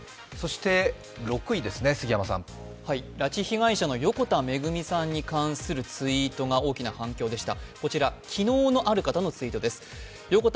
６位は、拉致被害者の横田めぐみさんに関するツイートが大きな反響でした。